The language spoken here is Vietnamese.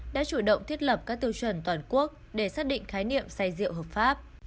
đã chủ động thiết lập các tiêu chuẩn toàn quốc để xác định khái niệm say rượu hợp pháp